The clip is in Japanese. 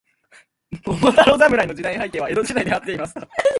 桃太郎侍の時代背景は、江戸時代であっていますか。